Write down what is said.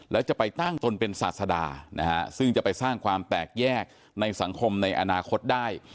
แล้วจะไปตั้งตนเป็นศาสดานะฮะซึ่งจะไปสร้างความแตกแยกในสังคมในอนาคตได้